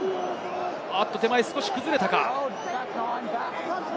手前、少し崩れたか。